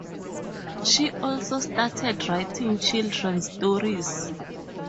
She also started writing children's stories.